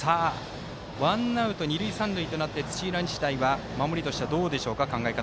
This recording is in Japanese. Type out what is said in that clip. ワンアウト、二塁三塁となって土浦日大は守りとしてはどうでしょうか。